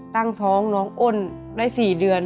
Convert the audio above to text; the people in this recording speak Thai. ตั้งท้องน้องอ้นได้๔เดือน